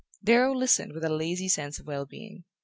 Darrow listened with a lazy sense of well being.